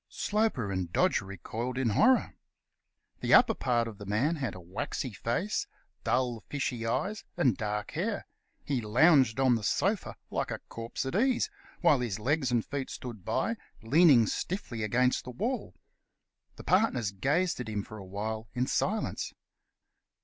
Sloper and Dodge recoiled in horror. The upper part of the man had a waxy face, dull, fishy eyes, and dark hair; he lounged on the sofa like a corpse at ease, while his legs and feet stood by, leaning stiffly against the wall. The partners gazed at him for a while in silence.